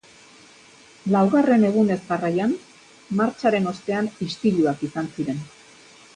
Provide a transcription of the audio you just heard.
Laugarren egunez jarraian, martxaren ostean istiluak izan ziren.